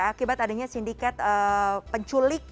akibat adanya sindikat penculikan perdagangan dan penjualan daging anjing